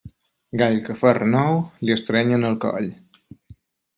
Gall que fa renou li estrenyen el coll.